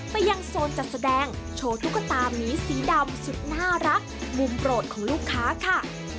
ไปยังโซนจัดแสดงโชว์ตุ๊กตามีสีดำสุดน่ารักมุมโปรดของลูกค้าค่ะ